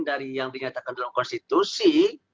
dari yang dinyatakan dalam konstitusi